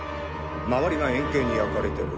周りが円形に焼かれてる。